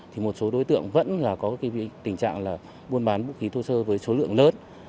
thì một số đối tượng vẫn là có cái tình trạng là buôn bán vũ khí thô sơ với số lượng lớn